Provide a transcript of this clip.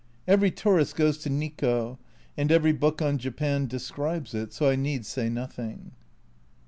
Every tourist goes to Nikko, and every book on Japan describes it, so I need say nothing.